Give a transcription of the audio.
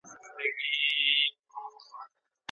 لرګی په اور کي ښوروي په اندېښنو کي ډوب دی